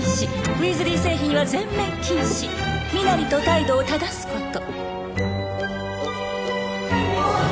「ウィーズリー製品は全面禁止」「身なりと態度をただすこと」